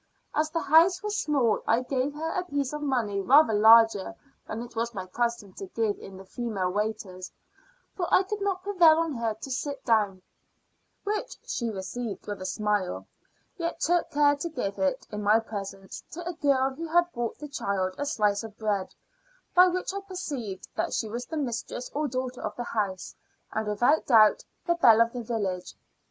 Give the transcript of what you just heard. As the house was small, I gave her a piece of money rather larger than it was my custom to give to the female waiters for I could not prevail on her to sit down which she received with a smile; yet took care to give it, in my presence, to a girl who had brought the child a slice of bread; by which I perceived that she was the mistress or daughter of the house, and without doubt the belle of the village.